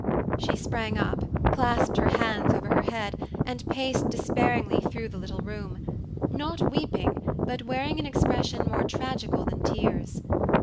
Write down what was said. She sprang up, clasped her hands over her head, and paced despairingly through the little room, not weeping, but wearing an expression more tragical than tears.